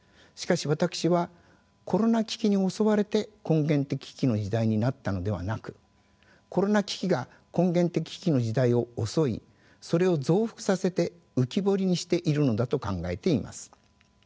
しかし私はコロナ危機に襲われて根源的危機の時代になったのではなくコロナ危機が根源的危機の時代を襲いそれを増幅させて浮き彫りにしているのだと考えています。